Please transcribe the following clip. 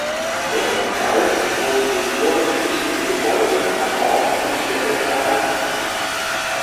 Bestenfalls wurden historisch wichtige Gebäude an Ort und Stelle erhalten.